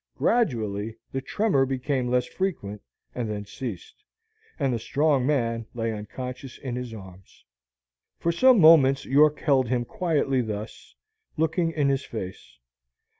Gradually the tremor became less frequent, and then ceased; and the strong man lay unconscious in his arms. For some moments York held him quietly thus, looking in his face.